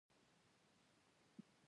دا توپیر د خیالي نظم اغېز دی.